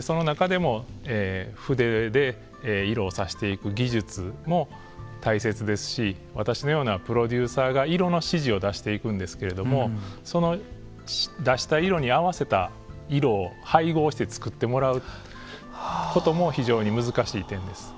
その中でも、筆で色を挿していく技術も大切ですし私のようなプロデューサーが色の指示を出していくんですけれどもその出した色に合わせた色を配合して作ってもらうことも非常に難しい点です。